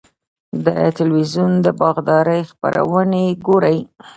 د تلویزیون د باغدارۍ خپرونې ګورئ؟